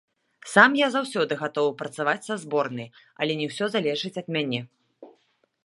Сам я заўсёды гатовы працаваць са зборнай, але не ўсё залежыць ад мяне.